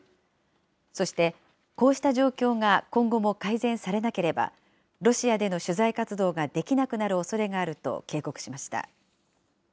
そしてこうした状況が今後も改善されなければ、ロシアでの取材活動ができなくなるおそれがあると警告しました。